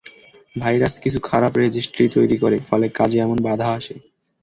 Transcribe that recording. Virus কিছু খারাপ registry তৈরি করে, ফলে কাজে এমন বাধা আসে।